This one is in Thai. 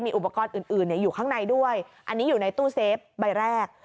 อุปกรณ์อื่นอยู่ข้างในด้วยอันนี้อยู่ในตู้เซฟใบแรก